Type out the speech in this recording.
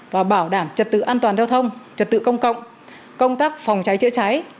và bảo đảm trật tự an toàn giao thông trật tự công cộng công tác phòng cháy chữa cháy